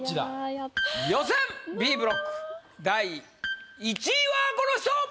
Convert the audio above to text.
予選Ｂブロック第１位はこの人！